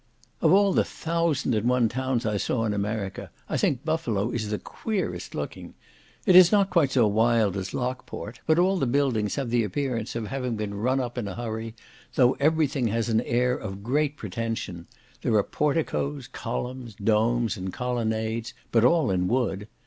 Of all the thousand and one towns I saw in America, I think Buffalo is the queerest looking; it is not quite so wild as Lockport, but all the buildings have the appearance of having been run up in a hurry, though every thing has an air of great pretension; there are porticos, columns, domes, and colonnades, but all in wood.